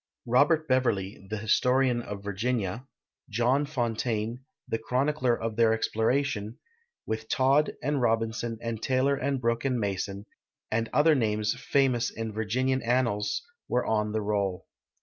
Robert Beverly, the historian of Virginia ; .John Fontaine, the chronicler of their exploration, with Todd and Robinson and Taylor and Brooke and Mason, and other names famous in Vir ginian annals, were on the roll.